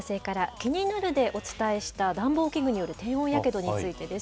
キニナル！でお伝えした暖房器具による低温やけどについてです。